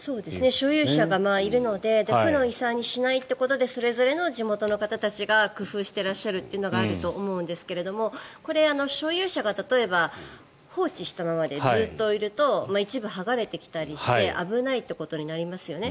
所有者がいるので負の遺産にしないということでそれぞれの地元の方たちが工夫していらっしゃるというのがあると思うんですけれどもこれ、所有者が例えば放置したままでずっといると一部剥がれてきたりして危ないということになりますよね。